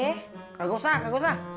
nggak usah nggak usah